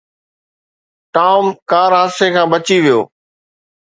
Tom car حادثي کان بچي ويو.